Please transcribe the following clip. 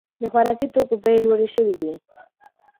د خوراکي توکو بیې لوړې شوې دي.